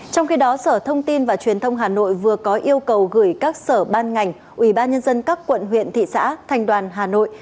trong khi đó sở thông tin và truyền thông hà nội vừa có yêu cầu gửi các sở ban ngành ubnd các quận huyện thị xã thành đoàn hà nội